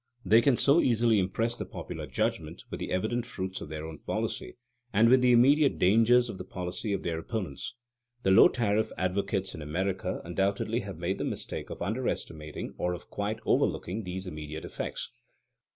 They can so easily impress the popular judgment with the evident fruits of their own policy, and with the immediate dangers of the policy of their opponents. The low tariff advocates in America undoubtedly have made the mistake of underestimating or of quite overlooking these immediate effects.